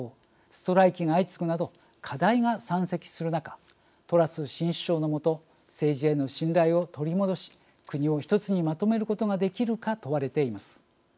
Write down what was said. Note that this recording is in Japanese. ストライキが相次ぐなど課題が山積する中トラス新首相の下政治への信頼を取り戻し国を一つにまとめることができるか問われています。